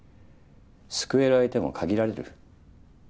救える相手も限られる。